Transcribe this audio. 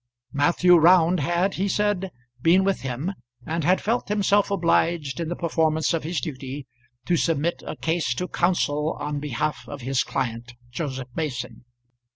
Matthew Round had, he said, been with him, and had felt himself obliged in the performance of his duty to submit a case to counsel on behalf of his client Joseph Mason.